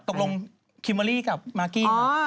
ตกลงคิมเบอร์รี่กับมากกี้